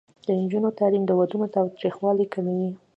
د نجونو تعلیم د ودونو تاوتریخوالي کموي.